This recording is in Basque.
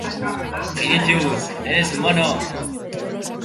Seigarren etapan lau txirrindularik osatutako ihesaldi bat gertatu zen.